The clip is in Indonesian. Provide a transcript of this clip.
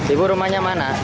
ibu rumahnya mana